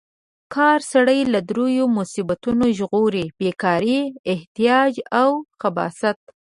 کار سړی له دریو مصیبتونو ژغوري: بې کارۍ، احتیاج او خباثت.